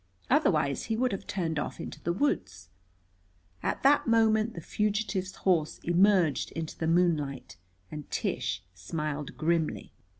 Otherwise he would have turned off into the woods." At that moment the fugitive's horse emerged into the moonlight and Tish smiled grimly.